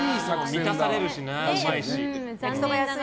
満たされるしな。